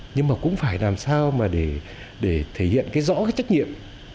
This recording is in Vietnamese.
nhưng mà cũng phải làm sao để thể hiện rõ cái trách nhiệm